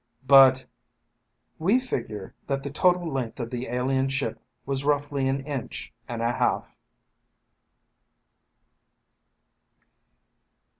"But ..." "We figure that the total length of the alien ship was roughly an inch and a half."